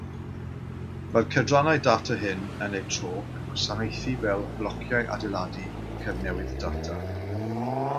Mae'r cydrannau data hyn yn eu tro yn gwasanaethu fel "blociau adeiladu” cyfnewid data.